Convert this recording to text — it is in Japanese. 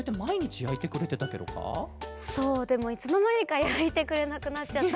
でもいつのまにかやいてくれなくなっちゃったんだけど。